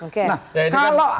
oke nah kalau